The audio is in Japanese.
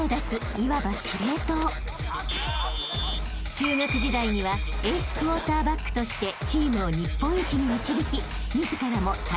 ［中学時代にはエースクォーターバックとしてチームを日本一に導き自らも大会ＭＶＰに］